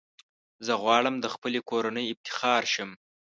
زه غواړم د خپلي کورنۍ افتخار شم .